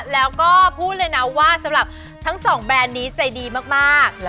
แล้วก็พูดเลยนะว่าสำหรับทั้งสองแบรนด์นี้ใจดีมาก